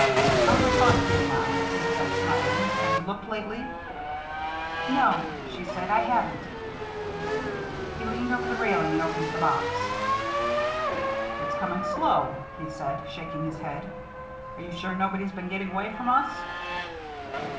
"How's our fund getting on?" he said, smiling. "Have you looked lately?" "No," she said, "I haven't." He leaned over the railing and opened the box. "It's coming slow," he said, shaking his head. "Are you sure nobody's been getting away from us?"